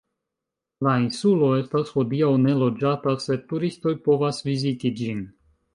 La insulo estas hodiaŭ neloĝata, sed turistoj povas viziti ĝin.